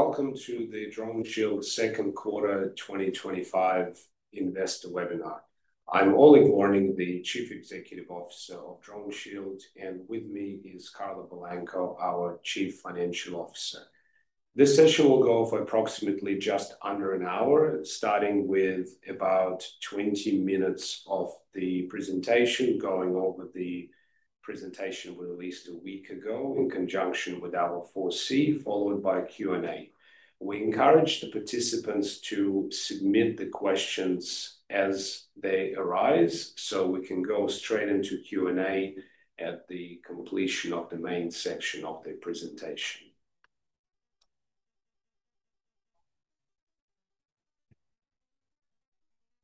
Welcome to the DroneShield second quarter 2025 investor webinar. I'm Oleg Vornik, the Chief Executive Officer of DroneShield, and with me is Carla Balanco, our Chief Financial Officer. This session will go for approximately just under an hour, starting with about 20 minutes of the presentation, going on with the presentation we released a week ago in conjunction with our 4C, followed by Q&A. We encourage the participants to submit the questions as they arise, so we can go straight into Q&A at the completion of the main section of the presentation.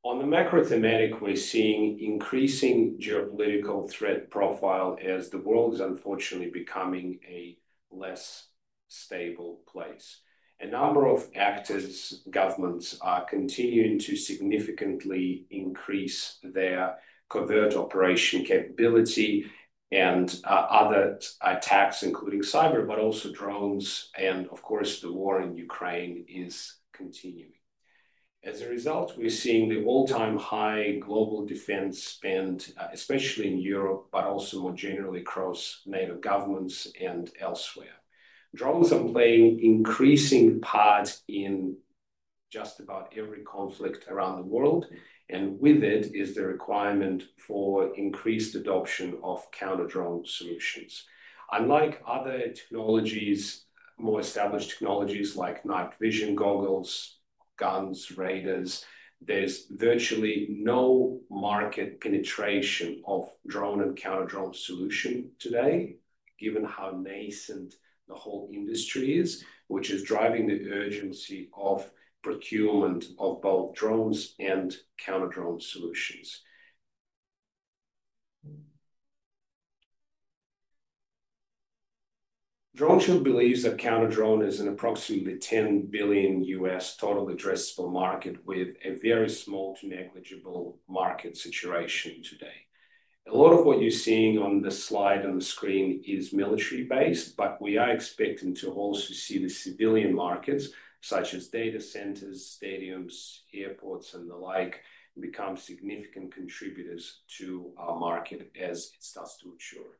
On the macro thematic, we're seeing an increasing geopolitical threat profile as the world is unfortunately becoming a less stable place. A number of actors, governments, are continuing to significantly increase their covert operation capability and other attacks, including cyber, but also drones, and of course the war in Ukraine is continuing. As a result, we're seeing the all-time high global defense spend, especially in Europe, but also more generally across NATO governments and elsewhere. Drones are playing an increasing part in just about every conflict around the world, and with it is the requirement for increased adoption of counter-drone solutions. Unlike other technologies, more established technologies like night vision goggles, guns, and radars, there's virtually no market penetration of drone and counter-drone solutions today, given how nascent the whole industry is, which is driving the urgency of procurement of both drones and counter-drone solutions. DroneShield believes that counter-drone is an approximately $10 billion total addressable market, with a very small to negligible market situation today. A lot of what you're seeing on the slide on the screen is military-based, but we are expecting to also see the civilian markets, such as data centers, stadiums, airports, and the like, become significant contributors to our market as it starts to mature.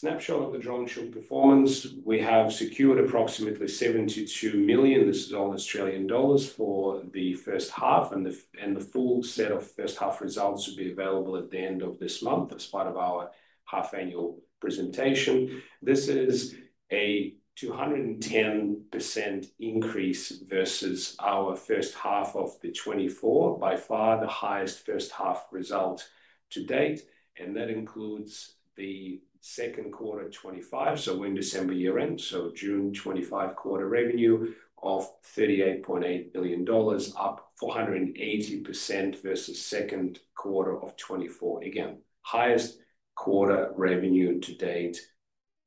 Snapshot of the DroneShield performance: we have secured approximately 72 million for the first half, and the full set of first half results will be available at the end of this month as part of our half-annual presentation. This is a 210% increase versus our first half of 2024, by far the highest first half result to date, and that includes the second quarter of 2025, so when December year ends, so June 2025 quarter revenue of 38.8 million dollars, up 480% versus the second quarter of 2024. Again, highest quarter revenue to date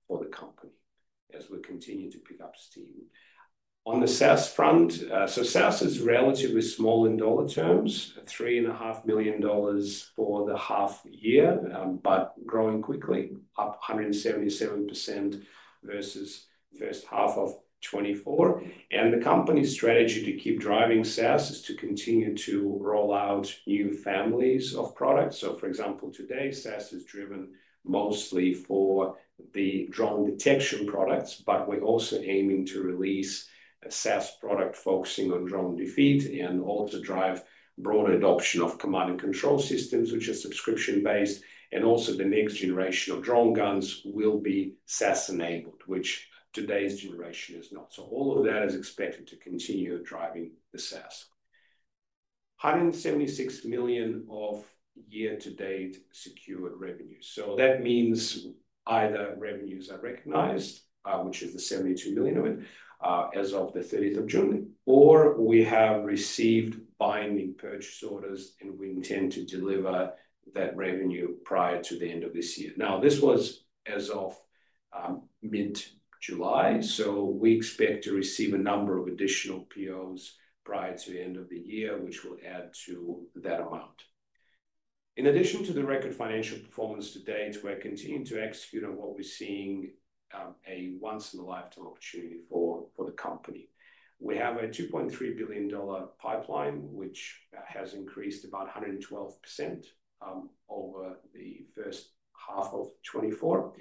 for the company as we continue to pick up steam. On the SaaS front, SaaS is relatively small in dollar terms, 3.5 million dollars for the half year, but growing quickly, up 177% versus the first half of 2024. The company's strategy to keep driving SaaS is to continue to roll out new families of products. For example, today SaaS is driven mostly for the drone detection products, but we're also aiming to release a SaaS product focusing on drone defeat and also drive broader adoption of command and control systems, which are subscription based, and the next generation of drone guns will be SaaS enabled, which today's generation is not. All of that is expected to continue driving the SaaS. 176 million of year-to-date secured revenue means either revenues are recognized, which is the 72 million of it as of the 30th of June, or we have received binding purchase orders and we intend to deliver that revenue prior to the end of this year. This was as of mid-July, so we expect to receive a number of additional POs prior to the end of the year, which will add to that amount. In addition to the record financial performance to date, we're continuing to execute on what we're seeing, a once-in-a-lifetime opportunity for the company. We have a 2.3 billion dollar pipeline, which has increased about 112% over the first half of 2024,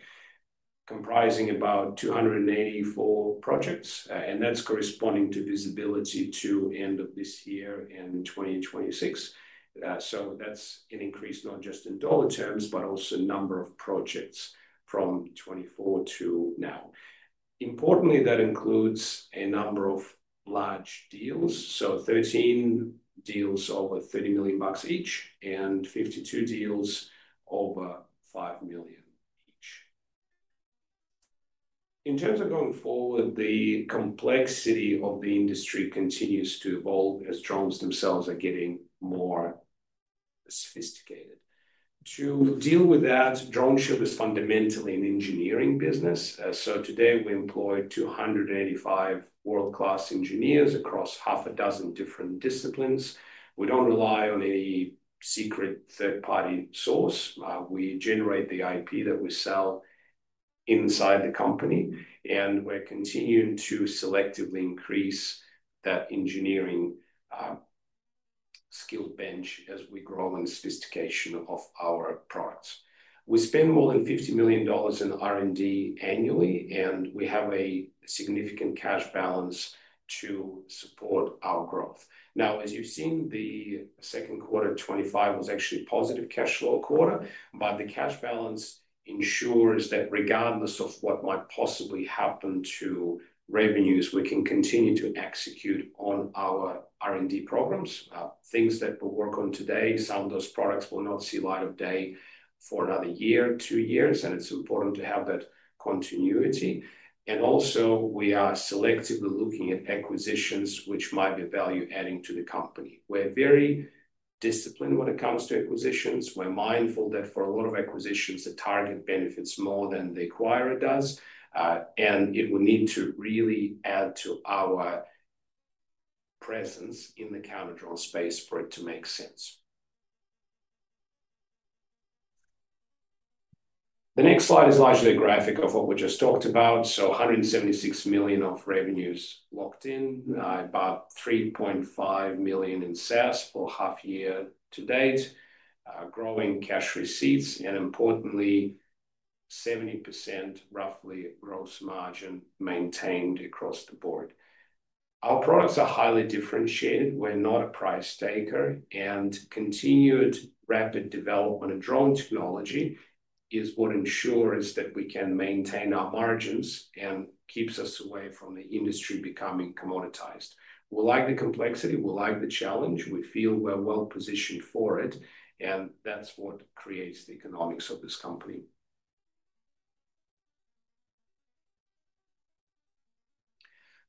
comprising about 284 projects, and that's corresponding to visibility to the end of this year and in 2026. That's an increase not just in dollar terms, but also a number of projects from 2024 to now. Importantly, that includes a number of large deals, 13 deals over 30 million bucks each and 52 deals over 5 million each. In terms of going forward, the complexity of the industry continues to evolve as drones themselves are getting more sophisticated. To deal with that, DroneShield is fundamentally an engineering business. Today we employ 285 world-class engineers across half a dozen different disciplines. We don't rely on any secret third-party source. We generate the IP that we sell inside the company, and we're continuing to selectively increase the engineering skill bench as we grow in the sophistication of our products. We spend more than 50 million dollars in R&D annually, and we have a significant cash balance to support our growth. Now, as you've seen, the second quarter of 2025 was actually a positive cash flow quarter, but the cash balance ensures that regardless of what might possibly happen to revenues, we can continue to execute on our R&D programs. Things that we work on today, some of those products will not see light of day for another year, two years, and it's important to have that continuity. We are selectively looking at acquisitions which might be value adding to the company. We're very disciplined when it comes to acquisitions. We're mindful that for a lot of acquisitions, the target benefits more than the acquirer does, and it would need to really add to our presence in the counter-drone space for it to make sense. The next slide is largely a graphic of what we just talked about. 176 million of revenues locked in, about 3.5 million in SaaS for half a year-to-date, growing cash receipts, and importantly, approximately 70% gross margin maintained across the board. Our products are highly differentiated. We're not a price taker, and continued rapid development of drone technology is what ensures that we can maintain our margins and keeps us away from the industry becoming commoditized. We like the complexity. We like the challenge. We feel we're well positioned for it, and that's what creates the economics of this company.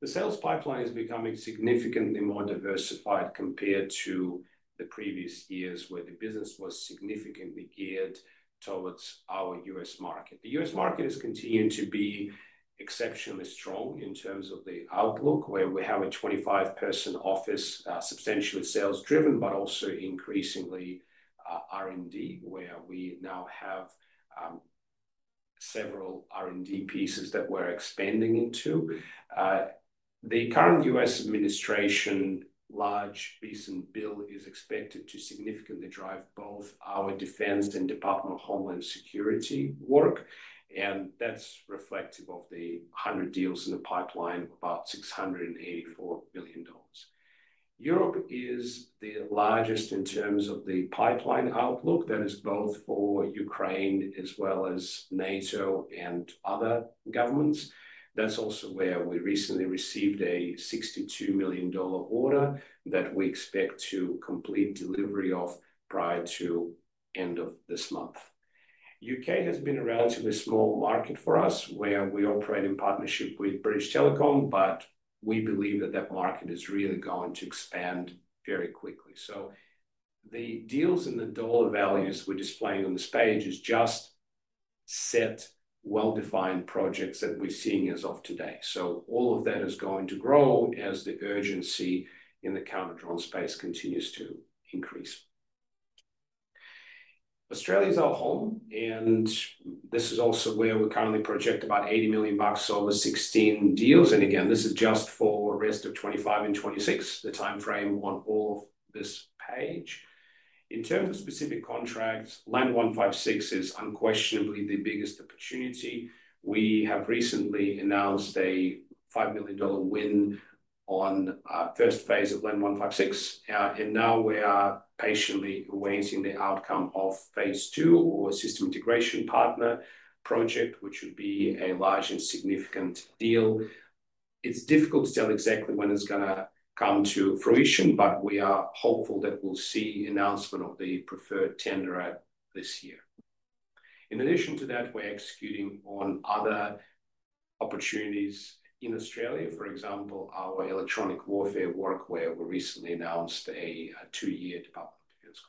The sales pipeline is becoming significantly more diversified compared to the previous years where the business was significantly geared towards our U.S. market. The U.S. market is continuing to be exceptionally strong in terms of the outlook, where we have a 25-person office, substantially sales-driven, but also increasingly R&D, where we now have several R&D pieces that we're expanding into. The current U.S. administration's large recent bill is expected to significantly drive both our defense and Department of Homeland Security work, and that's reflective of the 100 deals in the pipeline, about 684 million dollars. Europe is the largest in terms of the pipeline outlook. That is both for Ukraine as well as NATO and other governments. That's also where we recently received a 62 million dollar order that we expect to complete delivery of prior to the end of this month. The U.K. has been a relatively small market for us, where we operate in partnership with British Telecom, but we believe that that market is really going to expand very quickly. The deals in the dollar values we're displaying on this page are just set well-defined projects that we're seeing as of today. All of that is going to grow as the urgency in the counter-drone space continues to increase. Australia is our home, and this is also where we currently project about 80 million bucks over 16 deals. This is just for the rest of 2025 and 2026, the timeframe on all of this page. In terms of specific contracts, LAND 156 is unquestionably the biggest opportunity. We have recently announced a 5 million dollar win on the first phase of LAND 156, and now we are patiently awaiting the outcome of Phase II, or a system integration partner project, which would be a large and significant deal. It's difficult to tell exactly when it's going to come to fruition, but we are hopeful that we'll see the announcement of the preferred tender this year. In addition to that, we're executing on other opportunities in Australia. For example, our electronic warfare work, where we recently announced a two-year development of this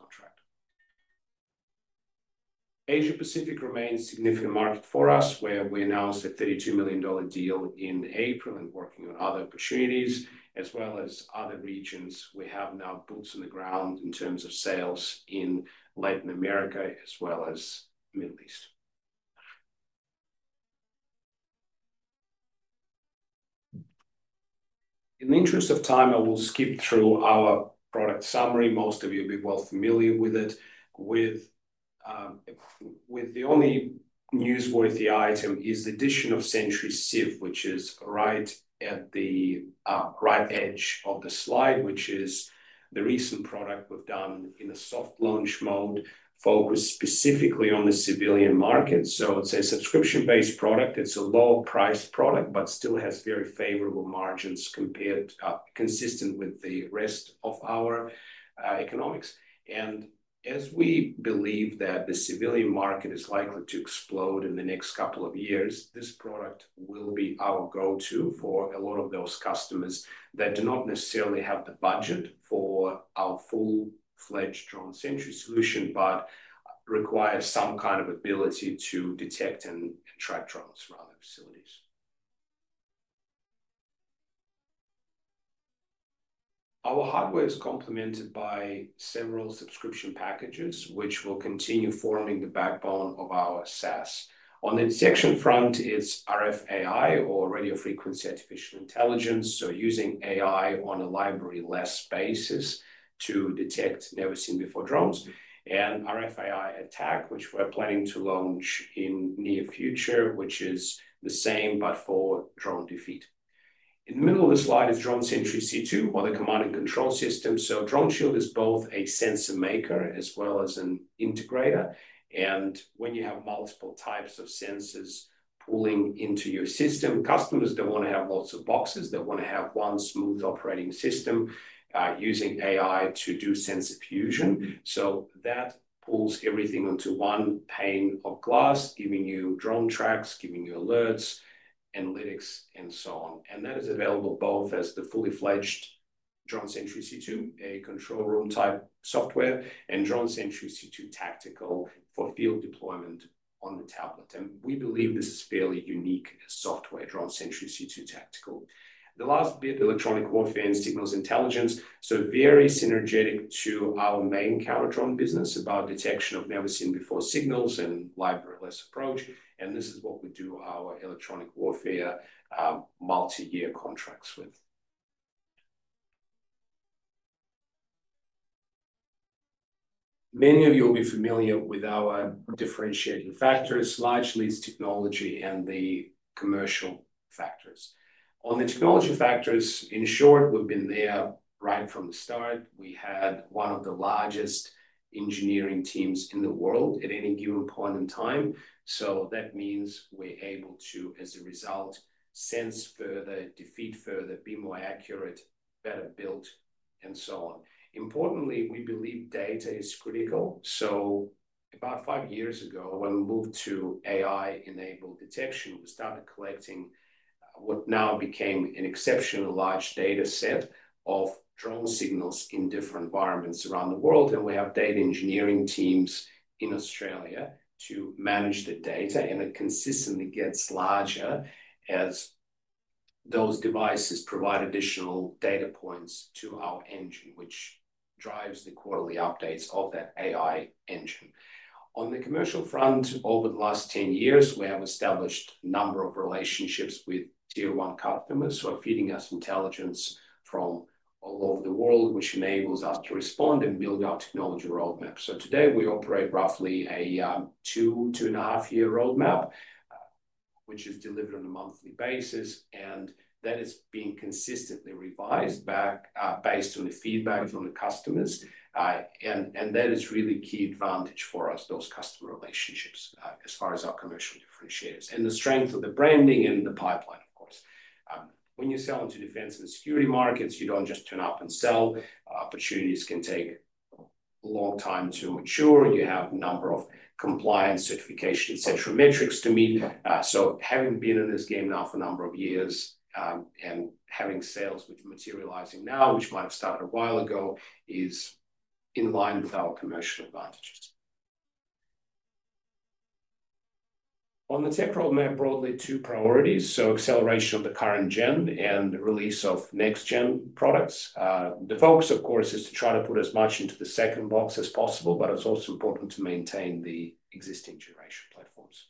contract. Asia-Pacific remains a significant market for us, where we announced a 32 million dollar deal in April and are working on other opportunities, as well as other regions. We have now boots on the ground in terms of sales in Latin America, as well as the Middle East. In the interest of time, I will skip through our product summary. Most of you will be well familiar with it. The only newsworthy item is the addition of SentryCiv, which is right at the right edge of the slide, which is the recent product we've done in a soft launch mode, focused specifically on the civilian market. It's a subscription-based product. It's a lower priced product, but still has very favorable margins consistent with the rest of our economics. As we believe that the civilian market is likely to explode in the next couple of years, this product will be our go-to for a lot of those customers that do not necessarily have the budget for our full-fledged DroneSentry solution, but require some kind of ability to detect and track drones around their facilities. Our hardware is complemented by several subscription packages, which will continue forming the backbone of our SaaS. On the detection front, it's RF AI, so using AI on a library-less basis to detect never-seen-before drones, and RF AI Attack, which we're planning to launch in the near future, which is the same, but for drone defeat. In the middle of the slide is DroneSentry-C2, or the command and control system. DroneShield is both a sensor maker as well as an integrator. When you have multiple types of sensors pulling into your system, customers don't want to have lots of boxes. They want to have one smooth operating system using AI to do sensor fusion. That pulls everything onto one pane of glass, giving you drone tracks, giving you alerts, analytics, and so on. That is available both as the fully fledged DroneSentry-C2, a control room type software, and DroneSentry-C2 Tactical for field deployment on the tablet. We believe this is a fairly unique software, DroneSentry-C2 Tactical. The last bit, electronic warfare and signals intelligence, is very synergetic to our main counter-drone business about detection of never-seen-before signals and library-less approach. This is what we do our electronic warfare multi-year contracts with. Many of you will be familiar with our differentiating factors, largely its technology and the commercial factors. On the technology factors, in short, we've been there right from the start. We had one of the largest engineering teams in the world at any given point in time. That means we're able to, as a result, sense further, defeat further, be more accurate, better built, and so on. Importantly, we believe data is critical. About five years ago, when we moved to AI-enabled detection, we started collecting what now became an exceptionally large data set of drone signals in different environments around the world. We have data engineering teams in Australia to manage the data, and it consistently gets larger as those devices provide additional data points to our engine, which drives the quarterly updates of that AI engine. On the commercial front, over the last 10 years, we have established a number of relationships with tier-one customers who are feeding us intelligence from all over the world, which enables us to respond and build our technology roadmap. Today, we operate roughly a two, two and a half year roadmap, which is delivered on a monthly basis, and that is being consistently revised based on the feedback from the customers. That is really a key advantage for us, those customer relationships, as far as our commercial differentiators and the strength of the branding and the pipeline, of course. When you sell into defense and security markets, you don't just turn up and sell. Opportunities can take a long time to mature, and you have a number of compliance certifications, et cetera, metrics to meet. Having been in this game now for a number of years, and having sales which are materializing now, which might have started a while ago, is in line with our commercial advantages. On the tech roadmap, broadly, two priorities: acceleration of the current gen and release of next-gen products. The focus, of course, is to try to put as much into the second box as possible, but it's also important to maintain the existing generation platforms.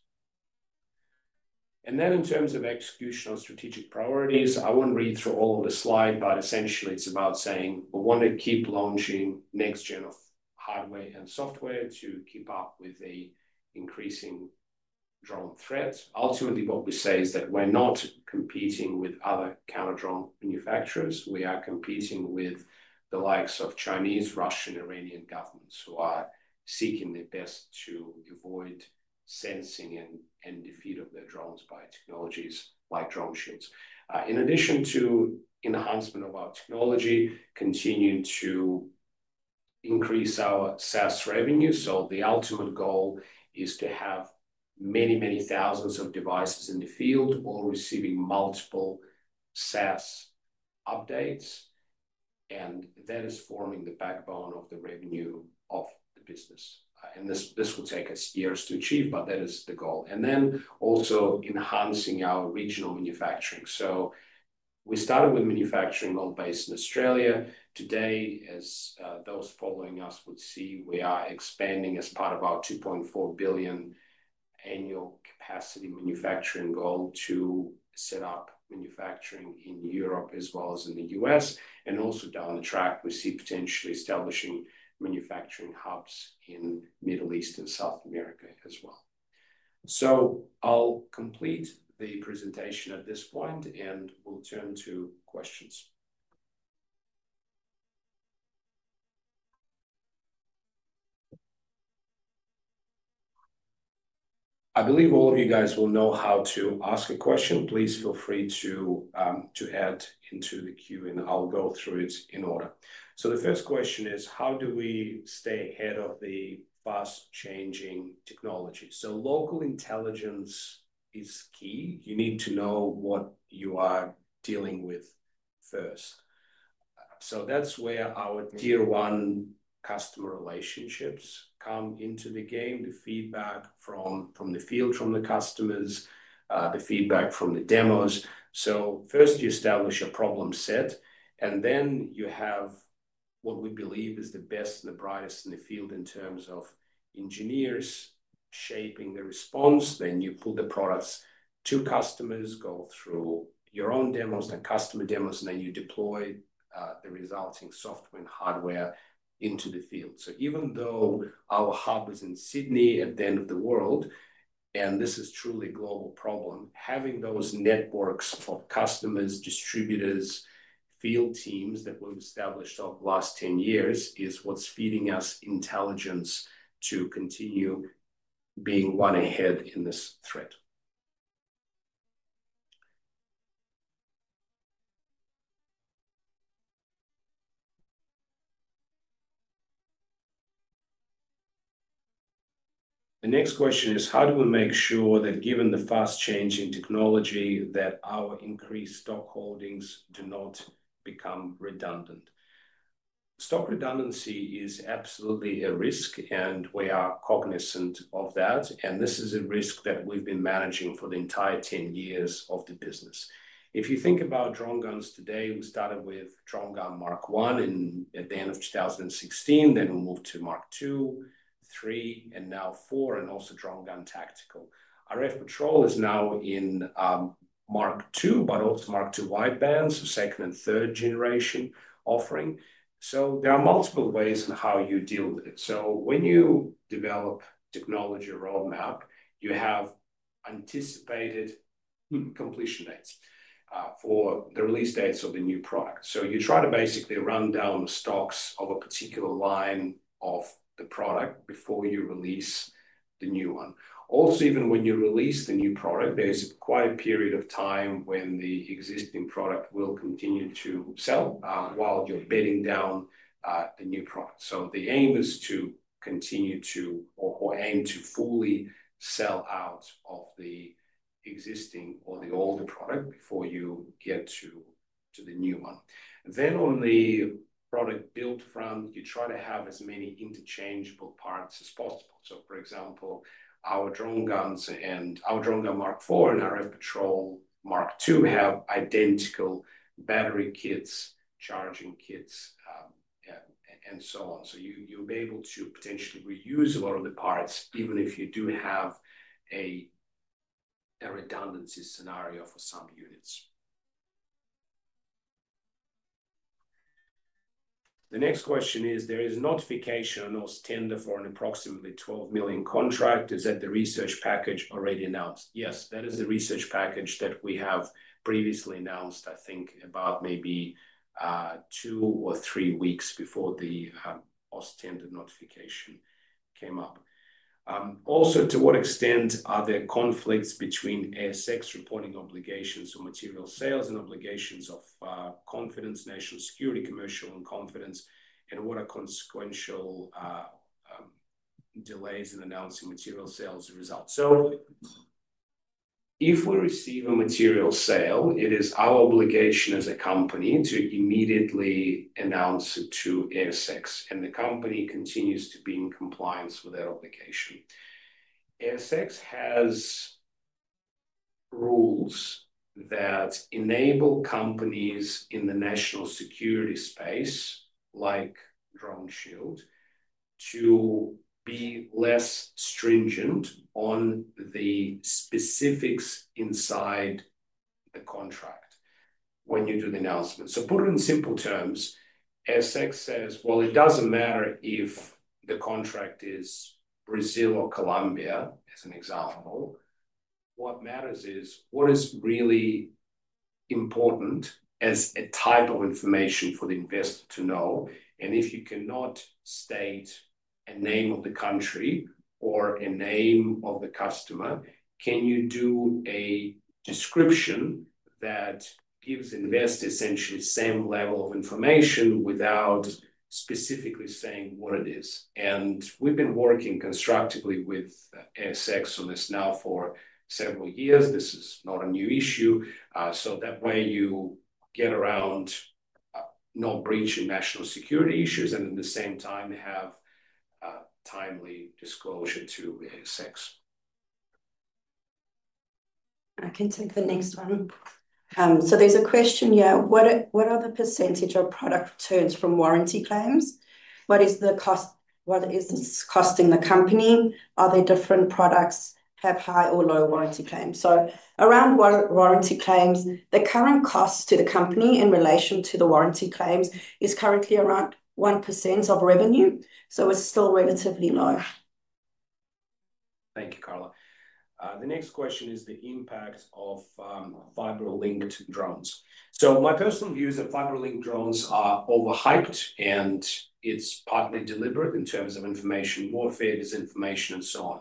In terms of executional strategic priorities, I won't read through all of the slides, but essentially, it's about saying we want to keep launching next-gen of hardware and software to keep up with the increasing drone threats. Ultimately, what we say is that we're not competing with other counter-drone manufacturers. We are competing with the likes of Chinese, Russian, and Iranian governments who are seeking the best to avoid sensing and defeat of their drones by technologies like DroneShield. In addition to the enhancement of our technology, we're continuing to increase our SaaS revenue. The ultimate goal is to have many, many thousands of devices in the field all receiving multiple SaaS updates, and that is forming the backbone of the revenue of the business. This will take us years to achieve, but that is the goal. Also enhancing our regional manufacturing. We started with manufacturing all based in Australia. Today, as those following us would see, we are expanding as part of our 2.4 billion annual capacity manufacturing goal to set up manufacturing in Europe as well as in the U.S. Down the track, we see potentially establishing manufacturing hubs in the Middle East and South America as well. I'll complete the presentation at this point, and we'll turn to questions. I believe all of you guys will know how to ask a question. Please feel free to add into the queue, and I'll go through it in order. The first question is, how do we stay ahead of the fast-changing technology? Local intelligence is key. You need to know what you are dealing with first. That's where our tier-one customer relationships come into the game, the feedback from the field, from the customers, the feedback from the demos. First, you establish a problem set, and then you have what we believe is the best and the brightest in the field in terms of engineers shaping the response. You put the products to customers, go through your own demos, the customer demos, and then you deploy the resulting software and hardware into the field. Even though our hub is in Sydney at the end of the world, and this is truly a global problem, having those networks of customers, distributors, field teams that we've established over the last 10 years is what's feeding us intelligence to continue being one ahead in this threat. The next question is, how do we make sure that given the fast change in technology, our increased stock holdings do not become redundant? Stock redundancy is absolutely a risk, and we are cognizant of that. This is a risk that we've been managing for the entire 10 years of the business. If you think about DroneGun products today, we started with DroneGun Mk1 at the end of 2016, then we moved to DroneGun Mk2, DroneGun Mk3, and now DroneGun Mk4, and also DroneGun Tactical. RfPatrol is now in Mk2, but also Mk2 Wideband, so second and third generation offering. There are multiple ways on how you deal with it. When you develop a technology roadmap, you have anticipated completion dates for the release dates of the new product. You try to basically run down the stocks of a particular line of the product before you release the new one. Also, even when you release the new product, there's quite a period of time when the existing product will continue to sell while you're bedding down a new product. The aim is to continue to, or aim to, fully sell out of the existing or the older product before you get to the new one. On the product build front, you try to have as many interchangeable parts as possible. For example, our DroneGun products, and our DroneGun Mk4 and RfPatrol Mk2 have identical battery kits, charging kits, and so on. You'll be able to potentially reuse a lot of the parts, even if you do have a redundancy scenario for some units. The next question is, there is notification on the tender for an approximately 12 million contract. Is that the research package already announced? Yes, that is the research package that we have previously announced, I think, about maybe two or three weeks before the tender notification came up. Also, to what extent are there conflicts between ASX reporting obligations or material sales and obligations of confidence, national security, commercial confidence, and what are consequential delays in announcing material sales as a result? If we receive a material sale, it is our obligation as a company to immediately announce it to ASX, and the company continues to be in compliance with that obligation. ASX has rules that enable companies in the national security space, like DroneShield, to be less stringent on the specifics inside the contract when you do the announcement. To put it in simple terms, ASX says it doesn't matter if the contract is Brazil or Colombia, as an example. What matters is what is really important as a type of information for the investor to know. If you cannot state a name of the country or a name of the customer, can you do a description that gives the investor essentially the same level of information without specifically saying what it is? We've been working constructively with ASX on this now for several years. This is not a new issue. That way you get around not breaching national security issues and at the same time have a timely disclosure to ASX. I can take the next one. There's a question here. What are the percentage of product returns from warranty claims? What is the cost? What is this costing the company? Are there different products that have high or low warranty claims? Around warranty claims, the current cost to the company in relation to the warranty claims is currently around 1% of revenue. It's still relatively low. Thank you, Carla. The next question is the impact of fiber-linked drones. My personal view is that fiber-linked drones are overhyped, and it's partly deliberate in terms of information warfare, disinformation, and so on.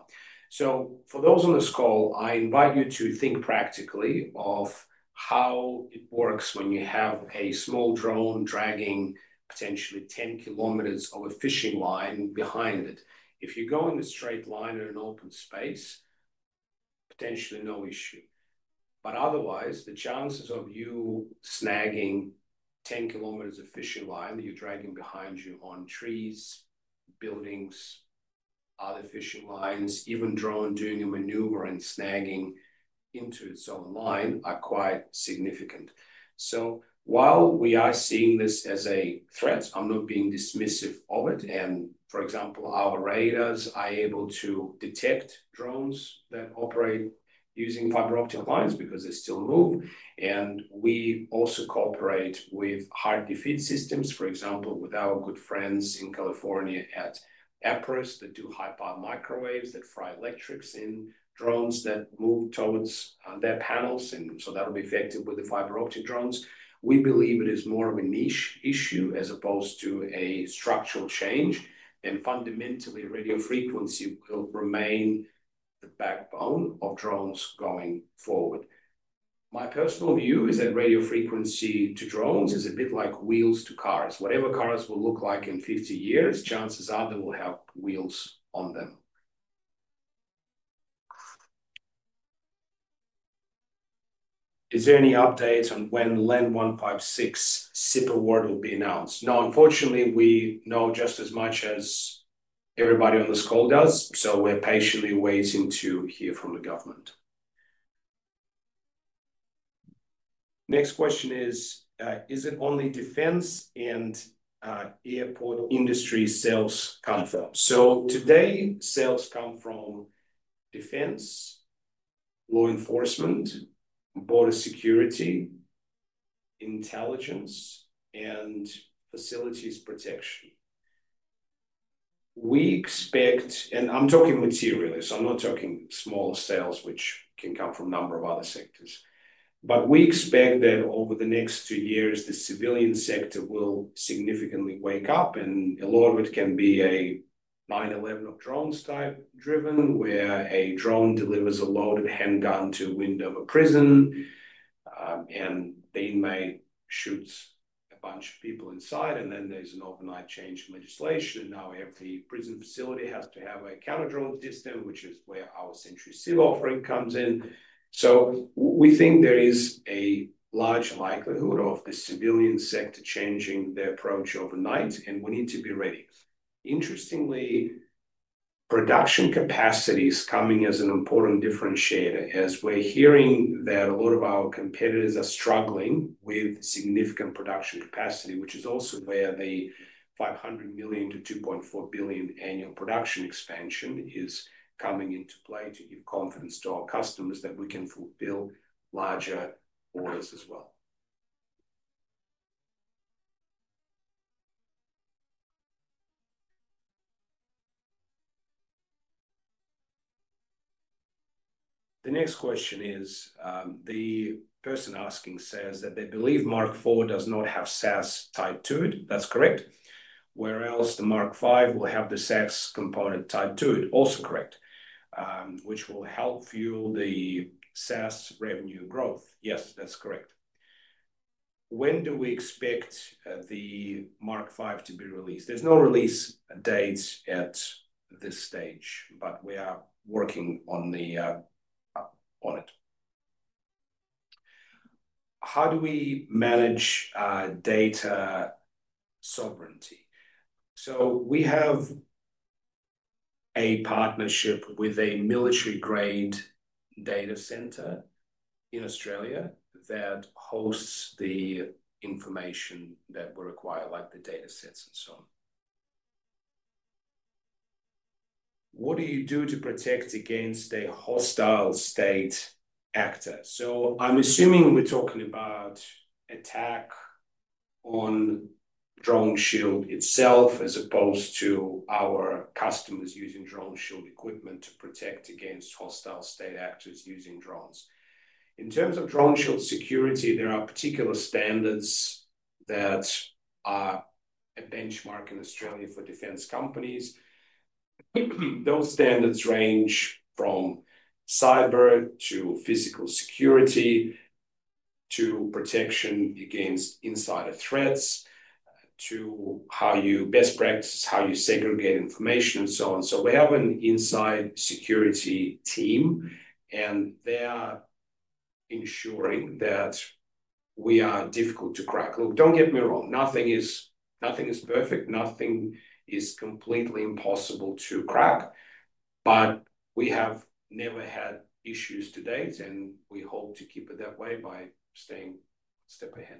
For those on this call, I invite you to think practically of how it works when you have a small drone dragging potentially 10 km of a fishing line behind it. If you go in a straight line or an open space, potentially no issue. Otherwise, the chances of you snagging 10 km of fishing line that you're dragging behind you on trees, buildings, other fishing lines, even a drone doing a maneuver and snagging into its own line are quite significant. While we are seeing this as a threat, I'm not being dismissive of it. For example, our radars are able to detect drones that operate using fiber optic wires because they still move. We also cooperate with heart defib systems, for example, with our good friends in California at APRS that do high power microwaves that fry electrics in drones that move towards their panels. That'll be effective with the fiber optic drones. We believe it is more of a niche issue as opposed to a structural change. Fundamentally, radio frequency will remain the backbone of drones going forward. My personal view is that radio frequency to drones is a bit like wheels to cars. Whatever cars will look like in 50 years, chances are they will have wheels on them. Is there any update on when the LAND 156 SIPR award will be announced? No, unfortunately, we know just as much as everybody on this call does. We're patiently waiting to hear from the government. Next question is, is it only defense and airport industry sales come from? Today, sales come from defense, law enforcement, border security, intelligence, and facilities protection. We expect, and I'm talking materials, I'm not talking small sales, which can come from a number of other sectors, but we expect that over the next two years, the civilian sector will significantly wake up. A lot of it can be a 9/11 of drones type driven, where a drone delivers a loaded handgun to a window of a prison, and they may shoot a bunch of people inside. Then there's an overnight change in legislation. Now every prison facility has to have a counter-drone system, which is where our SentryCiv, offering comes in. We think there is a large likelihood of the civilian sector changing their approach overnight, and we need to be ready. Interestingly, production capacity is coming as an important differentiator, as we're hearing that a lot of our competitors are struggling with significant production capacity, which is also where the 500 million-2.4 billion annual production expansion is coming into play to give confidence to our customers that we can fulfill larger orders as well. The next question is, the person asking says that they believe DroneGun Mk4 does not have SaaS tied to it. That's correct. Whereas the Mk5 will have the SaaS component tied to it. Also correct, which will help fuel the SaaS revenue growth. Yes, that's correct. When do we expect the Mk5 to be released? There's no release date at this stage, but we are working on it. How do we manage data sovereignty? We have a partnership with a military-grade data center in Australia that hosts the information that we require, like the data sets and so on. What do you do to protect against a hostile state actor? I'm assuming we're talking about an attack on DroneShield itself as opposed to our customers using DroneShield equipment to protect against hostile state actors using drones. In terms of DroneShield security, there are particular standards that are a benchmark in Australia for defense companies. Those standards range from cyber to physical security to protection against insider threats, to how you best practice, how you segregate information, and so on. We have an inside security team, and they are ensuring that we are difficult to crack. Don't get me wrong. Nothing is perfect. Nothing is completely impossible to crack. We have never had issues to date, and we hope to keep it that way by staying a step ahead.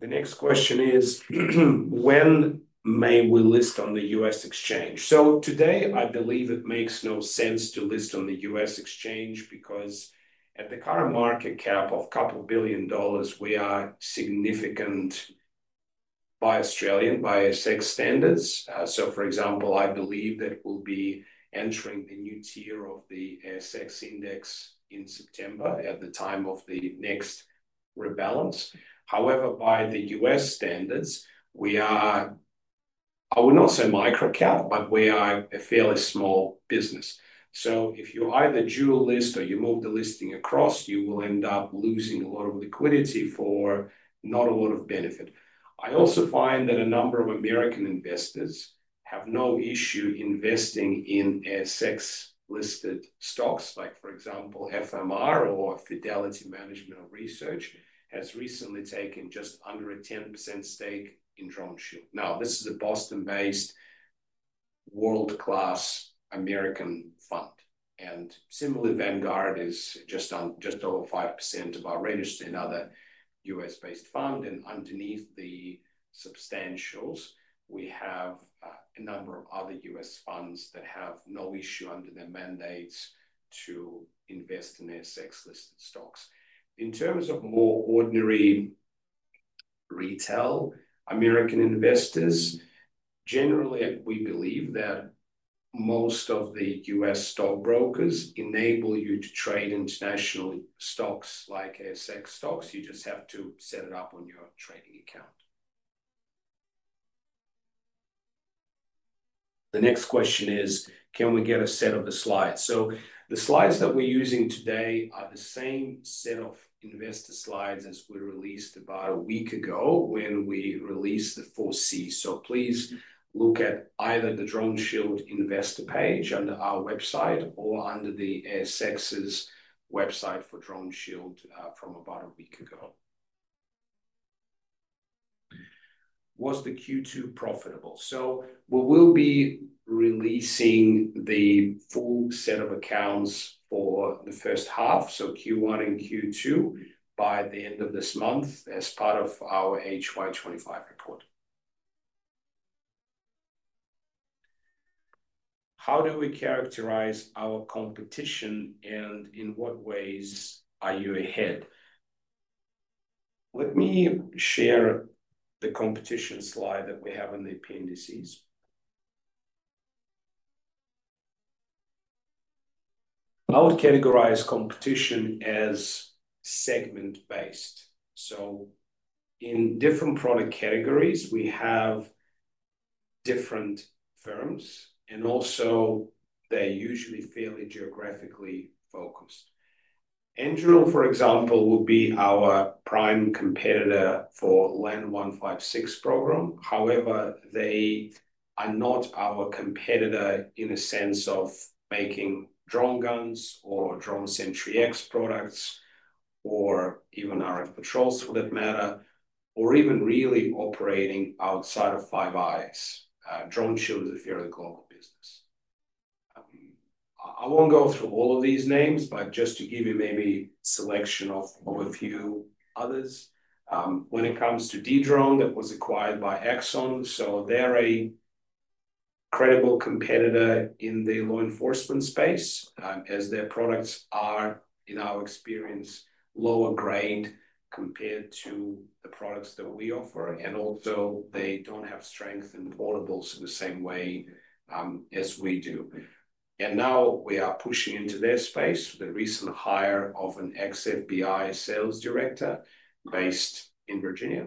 The next question is, when may we list on the U.S. exchange? Today, I believe it makes no sense to list on the U.S. exchange because at the current market cap of a couple billion dollars, we are significant by Australian, by ASX standards. For example, I believe that we'll be entering a new tier of the ASX index in September at the time of the next rebalance. However, by the U.S. standards, we are, I would not say micro cap, but we are a fairly small business. If you either dual list or you move the listing across, you will end up losing a lot of liquidity for not a lot of benefit. I also find that a number of American investors have no issue investing in ASX-listed stocks. For example, Fidelity Management & Research has recently taken just under a 10% stake in DroneShield. This is a Boston-based world-class American fund. Similarly, Vanguard is just over 5%, another U.S.-based fund. Underneath the substantials, we have a number of other U.S. funds that have no issue under their mandates to invest in ASX-listed stocks. In terms of more ordinary retail American investors, generally, we believe that most of the U.S. stock brokers enable you to trade international stocks like ASX stocks. You just have to set it up on your trading account. The next question is, can we get a set of the slides? The slides that we're using today are the same set of investor slides as we released about a week ago when we released the 4C. Please look at either the DroneShield investor page under our website or under the ASX's website for DroneShield from about a week ago. Was the Q2 profitable? We will be releasing the full set of accounts for the first half, so Q1 and Q2, by the end of this month as part of our HY 2025 report. How do we characterize our competition, and in what ways are you ahead? Let me share the competition slide that we have in the appendices. I would categorize competition as segment-based. In different product categories, we have different firms, and also they're usually fairly geographically focused. Engeril, for example, would be our prime competitor for the LAND 156 program. However, they are not our competitor in a sense of making DroneGuns or DroneSentry-X products, or even RfPatrols for that matter, or even really operating outside of 5IX. DroneShield is a very global business. I won't go through all of these names, but just to give you maybe a selection of a few others. When it comes to Dedrone, that was acquired by Axon. They're a credible competitor in the law enforcement space, as their products are, in our experience, lower grade compared to the products that we offer. They don't have strength in portables in the same way as we do. We are pushing into their space with a recent hire of an ex-FBI sales director based in Virginia.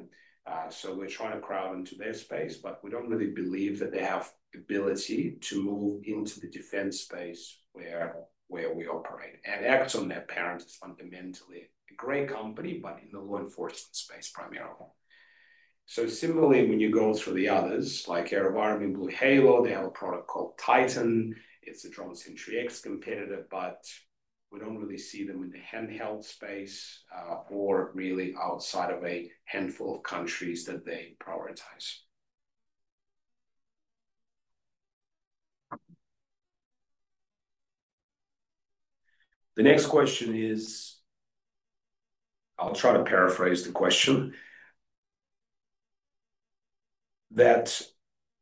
We're trying to crowd into their space, but we don't really believe that they have the ability to move into the defense space where we operate. Axon, their parent, is fundamentally a great company, but in the law enforcement space primarily. Similarly, when you go through the others, like AeroVironment, BlueHalo, they have a product called Titan. It's a DroneSentry-X competitor, but we don't really see them in the handheld space or really outside of a handful of countries that they prioritize. The next question is, I'll try to paraphrase the question, that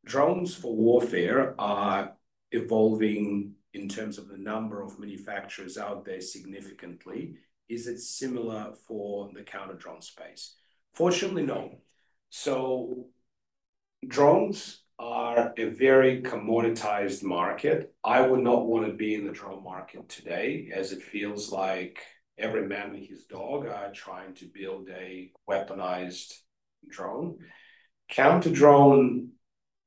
drones for warfare are evolving in terms of the number of manufacturers out there significantly. Is it similar for the counter-drone space? Fortunately, no. Drones are a very commoditized market. I would not want to be in the drone market today, as it feels like every man with his dog is trying to build a weaponized drone. Counter-drone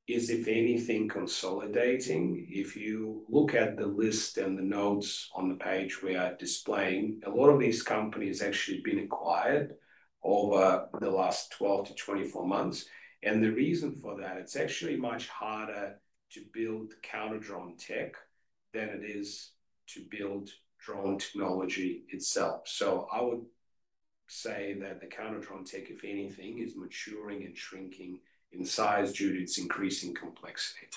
is, if anything, consolidating. If you look at the list and the notes on the page we are displaying, a lot of these companies have actually been acquired over the last 12-24 months. The reason for that, it's actually much harder to build counter-drone tech than it is to build drone technology itself. I would say that the counter-drone tech, if anything, is maturing and shrinking in size due to its increasing complexity.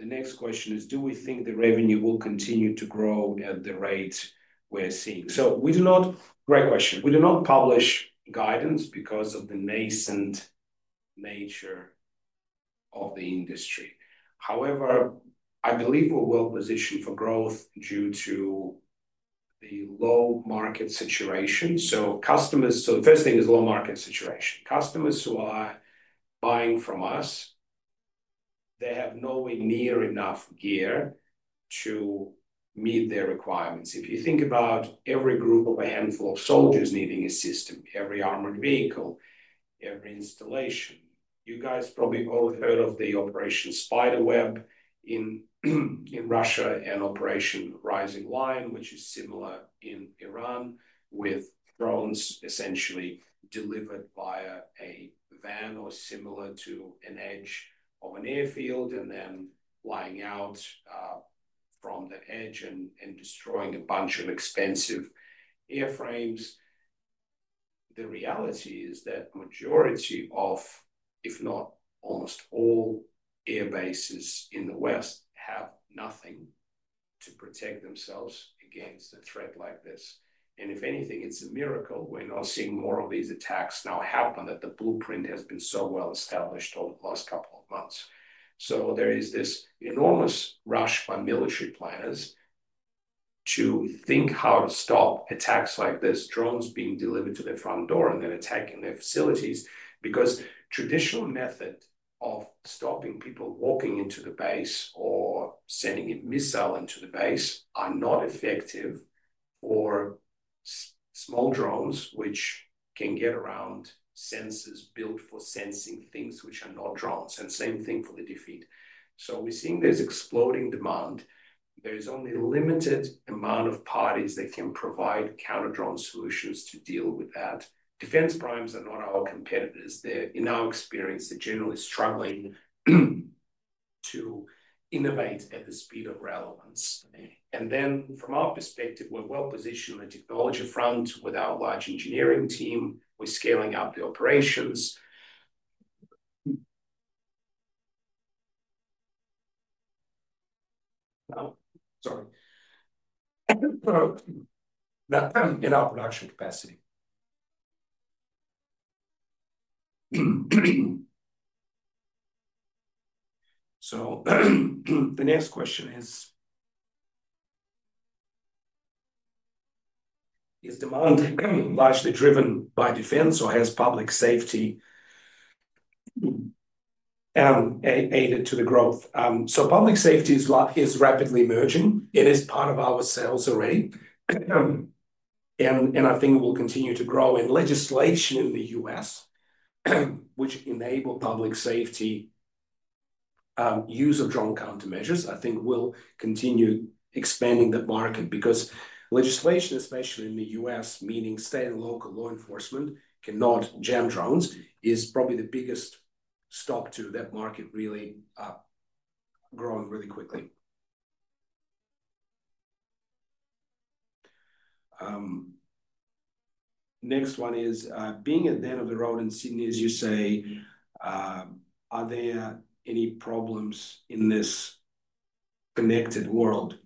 The next question is, do we think the revenue will continue to grow at the rate we're seeing? We do not, great question. We do not publish guidance because of the nascent nature of the industry. However, I believe we're well positioned for growth due to the low market situation. Customers who are buying from us, they have nowhere near enough gear to meet their requirements. If you think about every group of a handful of soldiers needing a system, every armored vehicle, every installation, you guys probably both heard of the Operation Spider Web in Russia and Operation Rising Lion, which is similar in Iran, with drones essentially delivered via a van or similar to an edge of an airfield and then flying out from the edge and destroying a bunch of expensive airframes. The reality is that the majority of, if not almost all, airbases in the West have nothing to protect themselves against a threat like this. If anything, it's a miracle we're now seeing more of these attacks now happen that the blueprint has been so well established over the last couple of months. There is this enormous rush by military planners to think how to stop attacks like this, drones being delivered to their front door and then attacking their facilities because the traditional method of stopping people walking into the base or sending a missile into the base is not effective for small drones, which can get around sensors built for sensing things which are not drones. The same thing for the defeat. We're seeing there's exploding demand. There's only a limited amount of parties that can provide counter-drone solutions to deal with that. Defense primes are not our competitors. They're, in our experience, generally struggling to innovate at the speed of relevance. From our perspective, we're well positioned on the technology front with our large engineering team. We're scaling up the operations in our production capacity. The next question is, is demand largely driven by defense, or has public safety added to the growth? Public safety is rapidly emerging. It is part of our sales already. I think it will continue to grow. Legislation in the U.S., which enables public safety use of drone countermeasures, I think will continue expanding the market because legislation, especially in the U.S., meaning state and local law enforcement cannot jam drones, is probably the biggest stop to that market really growing really quickly. Next one is, being at the end of the road in Sydney, as you say, are there any problems in this connected world?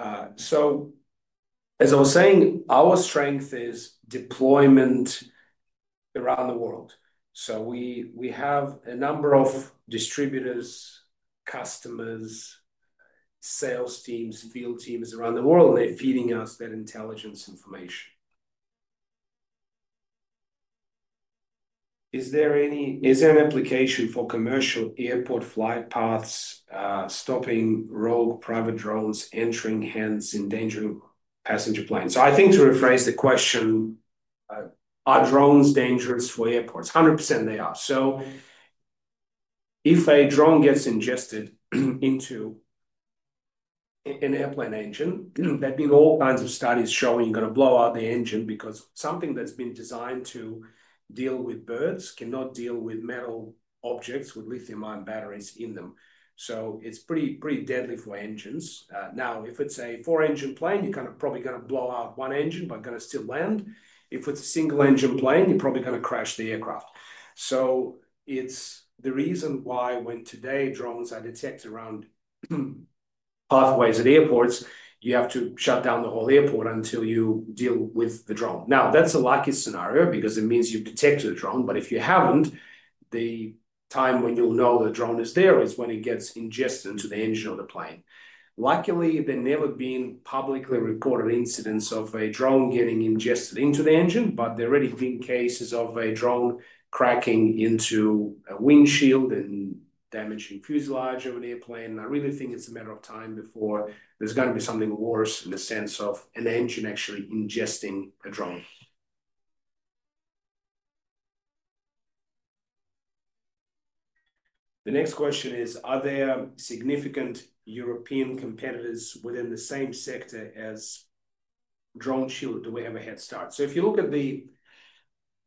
As I was saying, our strength is deployment around the world. We have a number of distributors, customers, sales teams, field teams around the world, and they're feeding us that intelligence information. Is there an application for commercial airport flight paths stopping rogue private drones entering hands endangering passenger planes? I think to rephrase the question, are drones dangerous for airports? 100% they are. If a drone gets ingested into an airplane engine, there have been all kinds of studies showing you've got to blow out the engine because something that's been designed to deal with birds cannot deal with metal objects with lithium-ion batteries in them. It's pretty deadly for engines. Now, if it's a four-engine plane, you're probably going to blow out one engine, but you're going to still land. If it's a single-engine plane, you're probably going to crash the aircraft. It's the reason why today drones are detected around pathways at airports. You have to shut down the whole airport until you deal with the drone. Now, that's a lucky scenario because it means you've detected a drone, but if you haven't, the time when you'll know the drone is there is when it gets ingested into the engine of the plane. Luckily, there have never been publicly reported incidents of a drone getting ingested into the engine, but there have already been cases of a drone cracking into a windshield and damaging the fuselage of an airplane. I really think it's a matter of time before there's going to be something worse in the sense of an engine actually ingesting a drone. The next question is, are there significant European competitors within the same sector as DroneShield? Do we have a head start? If you look at the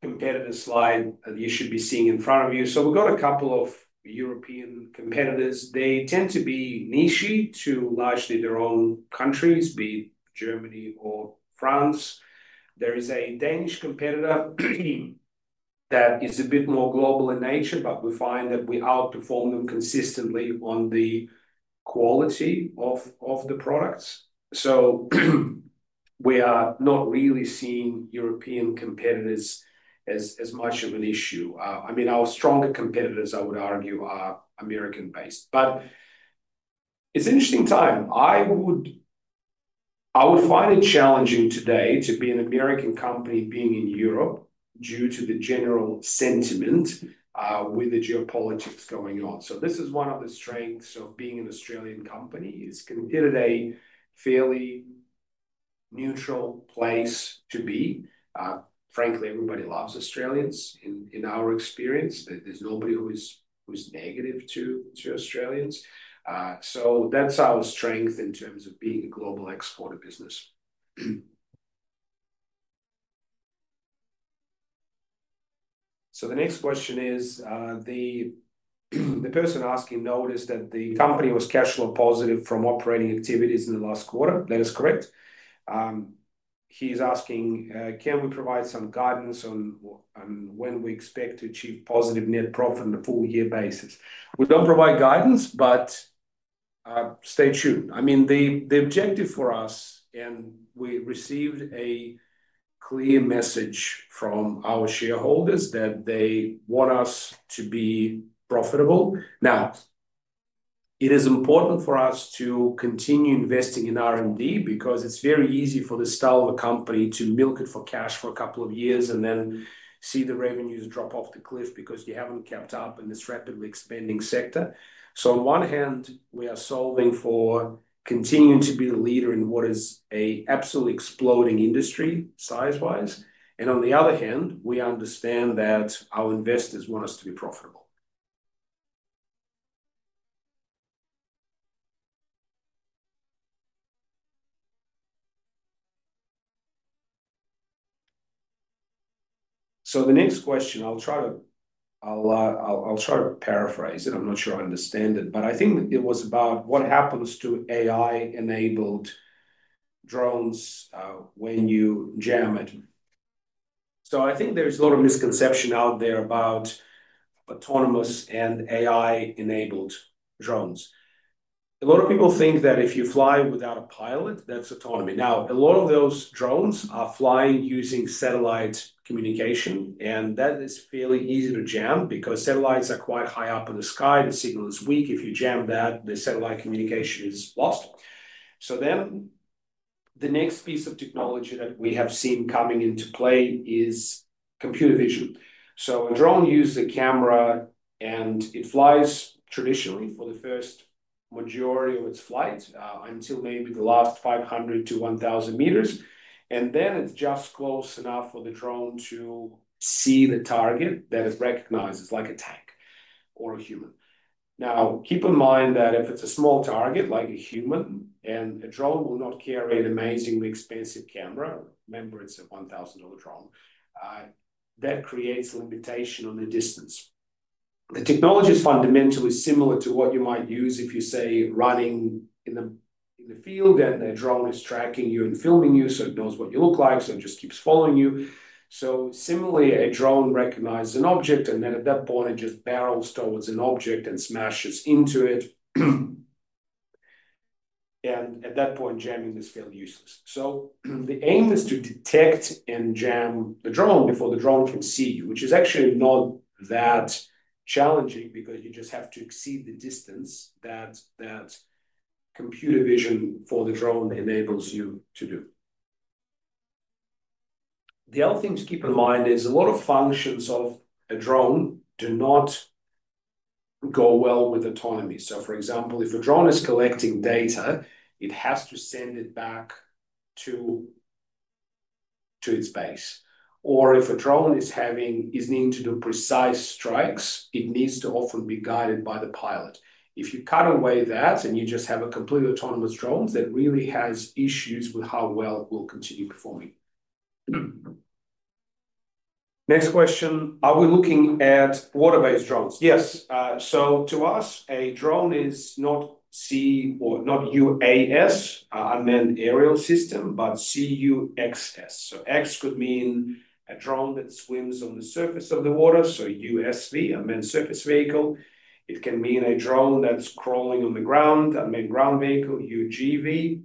competitor slide that you should be seeing in front of you, we've got a couple of European competitors. They tend to be niche to largely their own countries, be it Germany or France. There is a Danish competitor that is a bit more global in nature, but we find that we outperform them consistently on the quality of the products. We are not really seeing European competitors as much of an issue. Our stronger competitors, I would argue, are American-based. It is an interesting time. I would find it challenging today to be an American company being in Europe due to the general sentiment with the geopolitics going on. This is one of the strengths of being an Australian company. It's considered a fairly neutral place to be. Frankly, everybody loves Australians in our experience. There's nobody who is negative to Australians. That's our strength in terms of being a global exporter business. The next question is, the person asking noticed that the company was cash flow positive from operating activities in the last quarter. That is correct. He's asking, can we provide some guidance on when we expect to achieve positive net profit on a full-year basis? We don't provide guidance, but stay tuned. The objective for us, and we received a clear message from our shareholders that they want us to be profitable. It is important for us to continue investing in R&D because it's very easy for the style of a company to milk it for cash for a couple of years and then see the revenues drop off the cliff because you haven't kept up in this rapidly expanding sector. On one hand, we are solving for continuing to be the leader in what is an absolutely exploding industry size-wise. On the other hand, we understand that our investors want us to be profitable. The next question, I'll try to paraphrase it. I'm not sure I understand it, but I think it was about what happens to AI-enabled drones when you jam it. I think there's a lot of misconception out there about autonomous and AI-enabled drones. A lot of people think that if you fly without a pilot, that's autonomy. A lot of those drones are flying using satellite communication, and that is fairly easy to jam because satellites are quite high up in the sky. The signal is weak. If you jam that, the satellite communication is lost. The next piece of technology that we have seen coming into play is computer vision. A drone uses a camera, and it flies traditionally for the first majority of its flight until maybe the last 500 m-1,000 m. Then it's just close enough for the drone to see the target that it recognizes, like a tank or a human. Keep in mind that if it's a small target like a human, a drone will not carry an amazingly expensive camera. Remember, it's a 1,000 dollar drone. That creates a limitation on the distance. The technology is fundamentally similar to what you might use if you are running in the field and a drone is tracking you and filming you so it knows what you look like, so it just keeps following you. Similarly, a drone recognizes an object, and at that point, it just barrels towards an object and smashes into it. At that point, jamming is fairly useless. The aim is to detect and jam the drone before the drone can see you, which is actually not that challenging because you just have to exceed the distance that computer vision for the drone enables you to do. The other thing to keep in mind is a lot of functions of a drone do not go well with autonomy. For example, if a drone is collecting data, it has to send it back to its base. If a drone needs to do precise strikes, it needs to often be guided by the pilot. If you cut away that and you just have a completely autonomous drone, that really has issues with how well it will continue performing. Next question, are we looking at water-based drones? Yes. To us, a drone is not C or not UAS, unmanned aerial system, but CUXS. X could mean a drone that swims on the surface of the water, so USV, unmanned surface vehicle. It can mean a drone that's crawling on the ground, unmanned ground vehicle, UGV.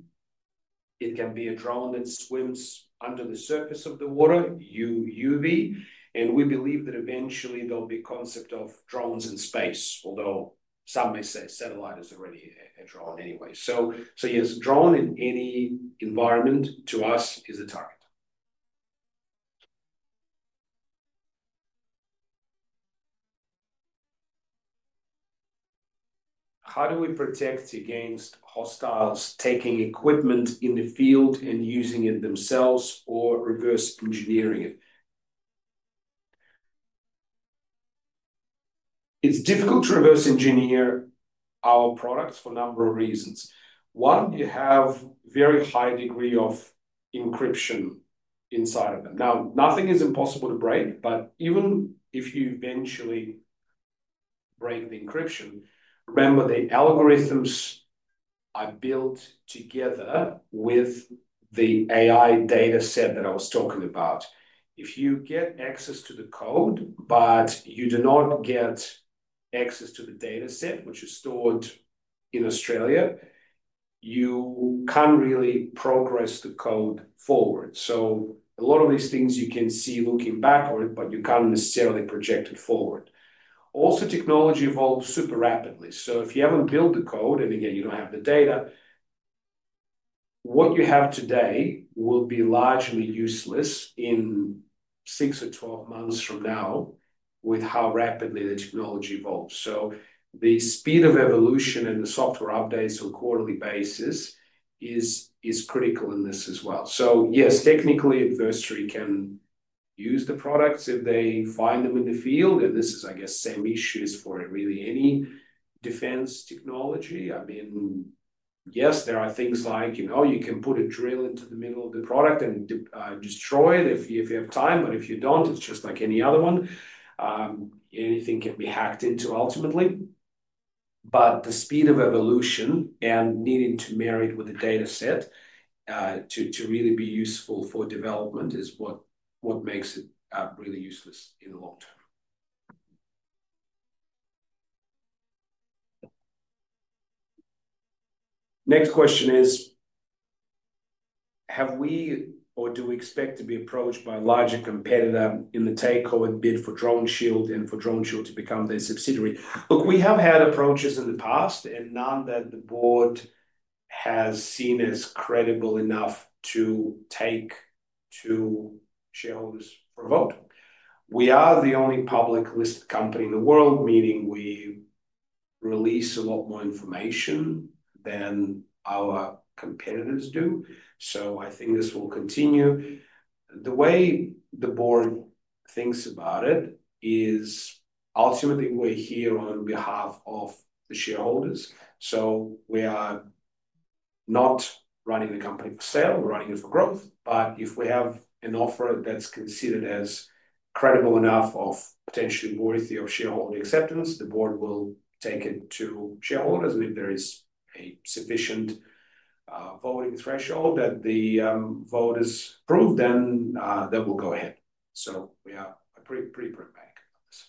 It can be a drone that swims under the surface of the water, UUV. We believe that eventually there'll be a concept of drones in space, although some may say a satellite is already a drone anyway. Yes, drone in any environment to us is a target. How do we protect against hostiles taking equipment in the field and using it themselves or reverse engineering it? It's difficult to reverse engineer our products for a number of reasons. One, you have a very high degree of encryption inside of it. Nothing is impossible to break, but even if you eventually break the encryption, remember the algorithms are built together with the AI data set that I was talking about. If you get access to the code, but you do not get access to the data set, which is stored in Australia, you can't really progress the code forward. A lot of these things you can see looking back on it, but you can't necessarily project it forward. Also, technology evolves super rapidly. If you haven't built the code and again, you don't have the data, what you have today will be largely useless in six or 12 months from now with how rapidly the technology evolves. The speed of evolution and the software updates on a quarterly basis is critical in this as well. Yes, technically, adversary can use the products if they find them in the field. This is, I guess, same issues for really any defense technology. There are things like, you know, you can put a drill into the middle of the product and destroy it if you have time. If you don't, it's just like any other one. Anything can be hacked into ultimately. The speed of evolution and needing to marry it with a data set to really be useful for development is what makes it really useless in the long term. Next question is, have we or do we expect to be approached by a larger competitor in the takeover bid for DroneShield and for DroneShield to become their subsidiary? We have had approaches in the past, and none that the board has seen as credible enough to take to shareholders for a vote. We are the only public listed company in the world, meaning we release a lot more information than our competitors do. I think this will continue. The way the board thinks about it is ultimately we're here on behalf of the shareholders. We are not running the company for sale. We're running it for growth. If we have an offer that's considered as credible enough or potentially worthy of shareholder acceptance, the board will take it to shareholders with a very sufficient voting threshold that the vote is approved, then we'll go ahead. We are pretty prepared about this.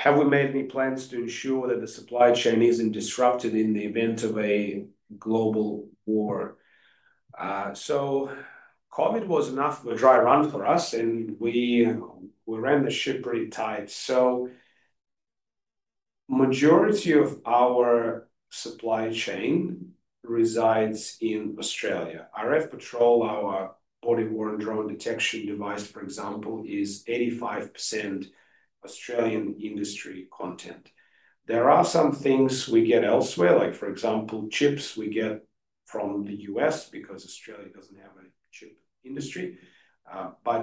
Have we made any plans to ensure that the supply chain isn't disrupted in the event of a global war? COVID was enough of a dry run for us, and we ran the ship pretty tight. The majority of our supply chain resides in Australia. RfPatrol, our body-worn drone detection device, for example, is 85% Australian industry content. There are some things we get elsewhere, like chips we get from the U.S. because Australia doesn't have a chip industry.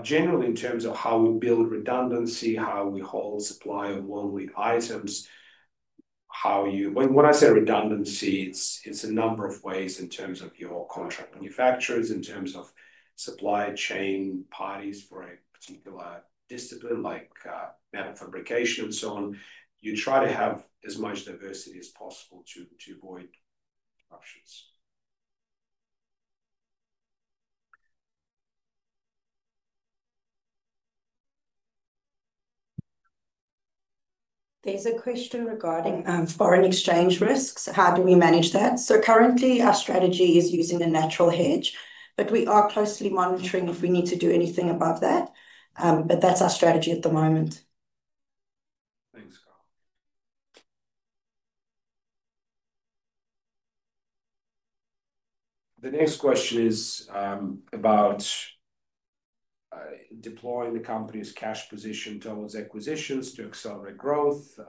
Generally, in terms of how we build redundancy, how we hold supply of worldwide items, when I say redundancy, it's a number of ways in terms of your contract manufacturers, in terms of supply chain parties for a particular discipline like metafabrication and so on. You try to have as much diversity as possible to avoid options. There's a question regarding foreign exchange risks. How do we manage that? Currently, our strategy is using a natural hedge, but we are closely monitoring if we need to do anything above that. That's our strategy at the moment. Thanks. The next question is about deploying the company's cash position towards acquisitions to accelerate growth.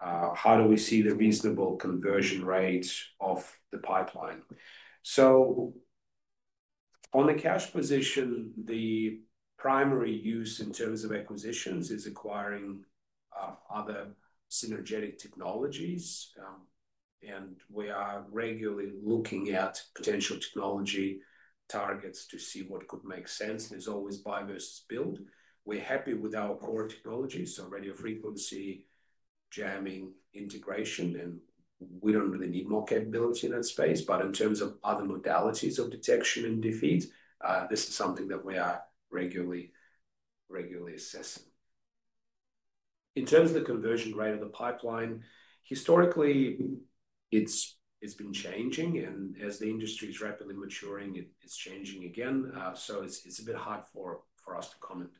How do we see the reasonable conversion rate of the pipeline? On the cash position, the primary use in terms of acquisitions is acquiring other synergetic technologies. We are regularly looking at potential technology targets to see what could make sense. It's always buy versus build. We're happy with our core technology, so radiofrequency, jamming, integration, and we don't really need more capability in that space. In terms of other modalities of detection and defeat, this is something that we are regularly assessing. In terms of the conversion rate of the pipeline, historically, it's been changing. As the industry is rapidly maturing, it's changing again. It's a bit hard for us to comment.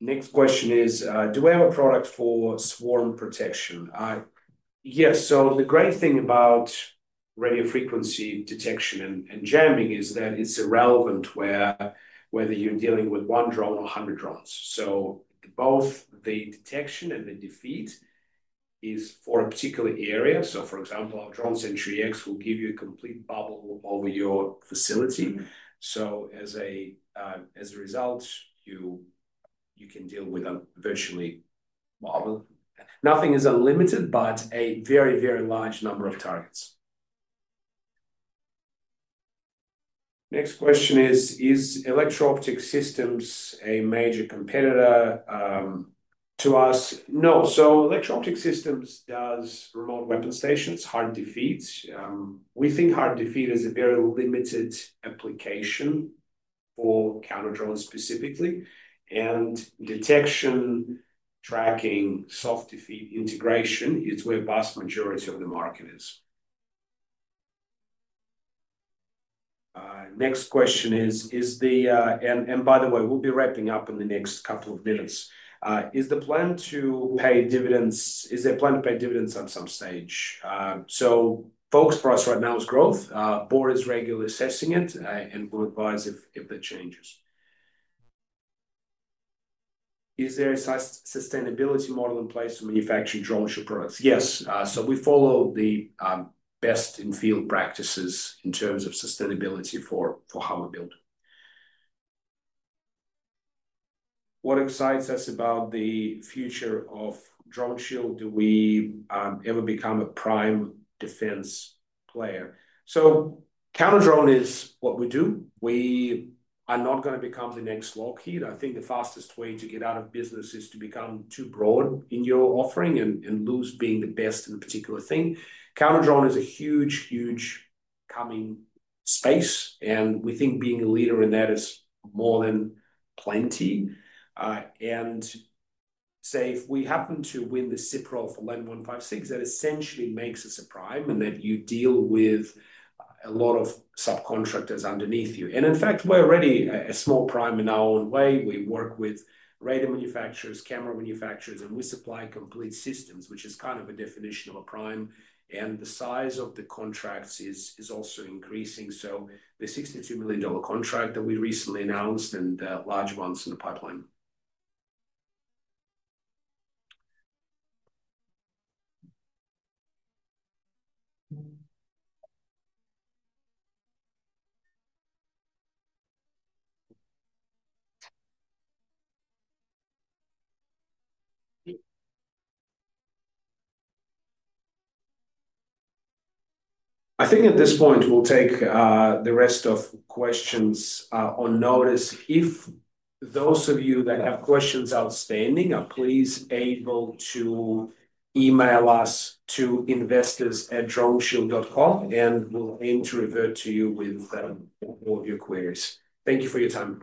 Next question is, do we have a product for swarm protection? Yes. The great thing about radiofrequency detection and jamming is that it's irrelevant whether you're dealing with one drone or 100 drones. Both the detection and the defeat is for a particular area. For example, our DroneSentry-X will give you a complete bubble over your facility. As a result, you can deal with a virtually marvel. Nothing is unlimited, but a very, very large number of targets. Next question is, is Electro Optic Systems a major competitor to us? No. Electro Optic Systems do remote weapon stations, hard defeat. We think hard defeat is a very limited application for counter drones specifically. Detection, tracking, soft defeat integration is where the vast majority of the market is. Next question is, is the... By the way, we'll be wrapping up in the next couple of minutes. Is the plan to pay dividends? Is there a plan to pay dividends at some stage? Focus for us right now is growth. The board is regularly assessing it and will advise if that changes. Is there a sustainability model in place for manufacturing DroneShield products? Yes. We follow the best in field practices in terms of sustainability for how we build. What excites us about the future of DroneShield? Do we ever become a prime defense player? Counter drone is what we do. We are not going to become the next Lockheed. I think the fastest way to get out of business is to become too broad in your offering and lose being the best in a particular thing. Counter drone is a huge, huge coming space, and we think being a leader in that is more than plenty. If we happen to win the SIPR for LAND 156, that essentially makes us a prime in that you deal with a lot of subcontractors underneath you. In fact, we're already a small prime in our own way. We work with radar manufacturers, camera manufacturers, and we supply complete systems, which is kind of a definition of a prime. The size of the contracts is also increasing. The 62 million dollar contract that we recently announced and large amounts in the pipeline. At this point, we'll take the rest of questions on notice. If those of you that have questions outstanding, please be able to email us at investors@droneshield.com, and we'll aim to revert to you with all your queries. Thank you for your time.